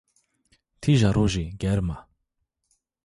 Tîja rojî germ a